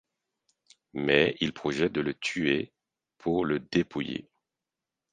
Mais ils projettent de le tuer pour le dépouiller.